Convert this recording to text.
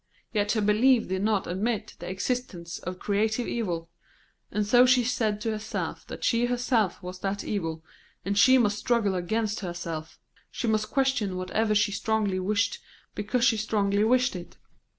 Yet her belief did not admit the existence of Creative Evil; and so she said to herself that she herself was that evil, and she must struggle against herself; she must question whatever she strongly wished because she strongly wished it.